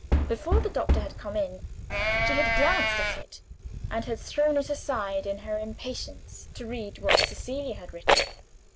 Before the doctor had come in, she had glanced at it, and had thrown it aside in her impatience to read what Cecilia had written.